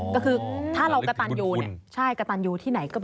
ก็คือถ้าเรากระตันอยู่